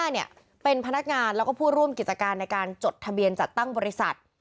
เนี่ยเป็นพนักงานแล้วก็ผู้ร่วมกิจการในการจดทะเบียนจัดตั้งบริษัท